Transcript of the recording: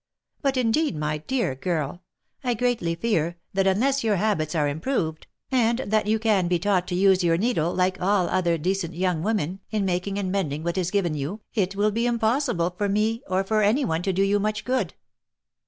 But, indeed, my dear girl, I greatly fear that unless your habits are improved, and that you can be taught to use your needle like all other decent young women, in making and mending what is given you, it will be impossible for me, or for any one to do you much good."